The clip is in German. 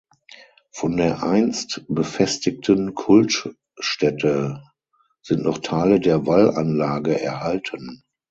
Von der einst befestigten Kultstätte sind noch Teile der Wallanlage erhalten.